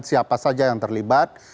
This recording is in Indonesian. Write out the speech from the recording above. siapa saja yang terlibat